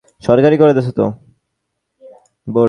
আমি এখন আর কারও প্রতিনিধি নই বা কারও কাছে দায়ী নই।